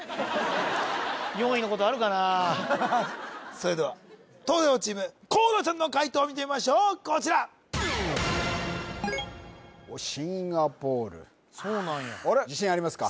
それでは東大王チーム河野ちゃんの解答を見てみましょうこちらシンガポールそうなんやああ自信ありますか？